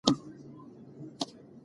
وارث خپله لرګینه غولکه راواخیسته.